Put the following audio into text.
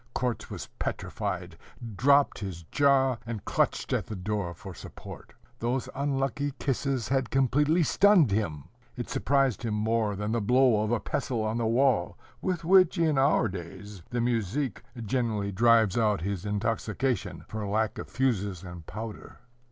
Korzh was petrified, dropped his jaw, and clutched at the door for support. Those unlucky kisses had completely stunned him. It surprised him more than the blow of a pestle on the wall, with which, in our days, the muzhik generally drives out his intoxication for lack of fuses and powder.